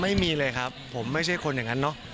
ไม่มีเลยครับผมไม่ใช่คนอย่างนั้นเนอะ